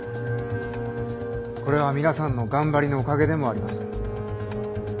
これは皆さんの頑張りのおかげでもあります。